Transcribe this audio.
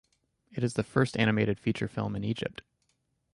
It is the first animated feature film in Egypt.